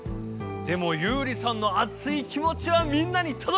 でもユウリさんのあつい気もちはみんなにとどきましたよ！